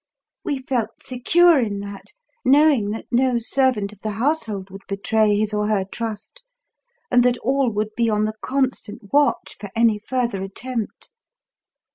We felt secure in that, knowing that no servant of the household would betray his or her trust, and that all would be on the constant watch for any further attempt.